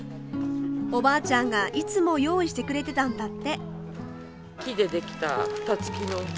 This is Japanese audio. おばあちゃんがいつも用意してくれてたんだって。